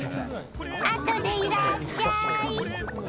あとでいらっしゃい。